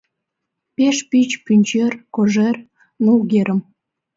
Пеш пич пӱнчер, кожер, нулгерым